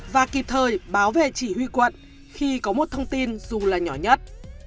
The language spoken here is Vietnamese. và kịp thời báo về chỉ huy quận khi có một thông tin dù là nhỏ nhất